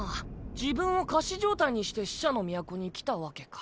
自分を仮死状態にして死者の都に来たわけか。